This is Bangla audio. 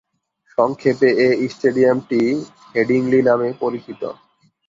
সংক্ষেপে এ স্টেডিয়ামটি হেডিংলি নামে পরিচিত।